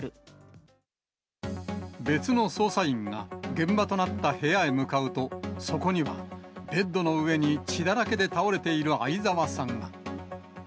別の捜査員が現場となった部屋へ向かうと、そこにはベッドの上に血だらけで倒れている相沢さんが。